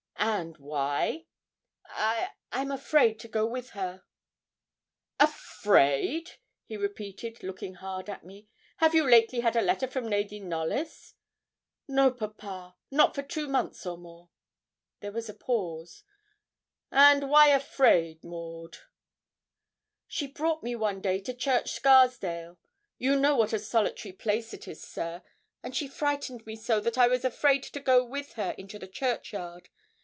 'And why?' 'I I'm afraid to go with her.' 'Afraid!' he repeated, looking hard at me. 'Have you lately had a letter from Lady Knollys?' 'No, papa, not for two months or more.' There was a pause. 'And why afraid, Maud?' 'She brought me one day to Church Scarsdale; you know what a solitary place it is, sir; and she frightened me so that I was afraid to go with her into the churchyard.